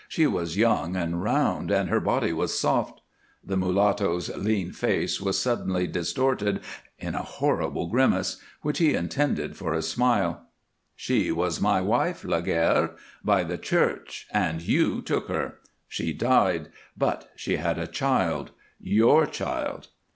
She was young and round and her body was soft " The mulatto's lean face was suddenly distorted in a horrible grimace which he intended for a smile. "She was my wife, Laguerre, by the Church, and you took her. She died, but she had a child your child."